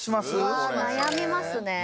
悩みますね。